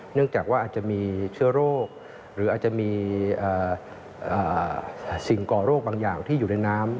เนื่องจากว่าอาจจะมีเชื้อโรคหรืออาจจะมีสิ่งก่อโรคบางอย่างที่อยู่ในน้ำ